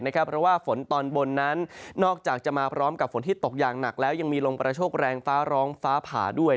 เพราะว่าฝนตอนบนนั้นนอกจากจะมาพร้อมกับฝนที่ตกอย่างหนักแล้วยังมีลมกระโชคแรงฟ้าร้องฟ้าผ่าด้วย